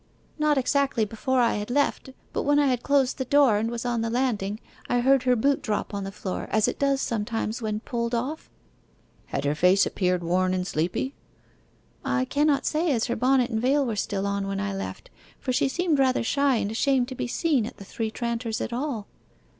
'Not exactly before I had left; but when I had closed the door, and was on the landing I heard her boot drop on the floor, as it does sometimes when pulled off?' 'Had her face appeared worn and sleepy?' 'I cannot say as her bonnet and veil were still on when I left, for she seemed rather shy and ashamed to be seen at the Three Tranters at all.